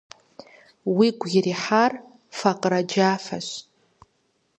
Уэ уигу ирихьыр факъырэ джафэщ.